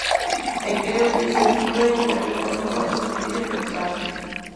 E creo que iso inflúe na miña forma de escribir e pensar.